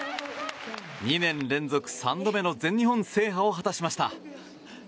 ２年連続３度目の全日本制覇を果たしました。